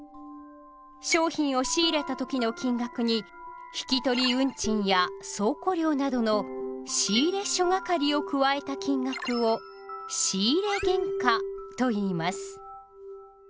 商品を仕入れたときの金額に引取運賃や倉庫料などの「仕入諸掛」を加えた金額を「仕入原価」といいます。